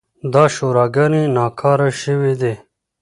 دا شوراګانې ناکاره شوې دي.